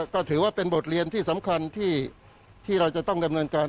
ก็ถือว่าเป็นบทเรียนที่สำคัญที่เราจะต้องดำเนินการ